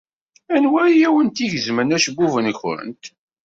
Anwa ay awent-igezmen acebbub-nwent?